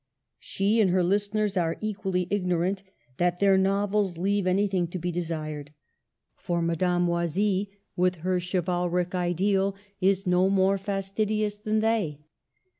She and her listeners are equally ignorant that their novels leave anything to be desired. For Madame Oisille, with her chivalric ideal, is no more fastidious than they.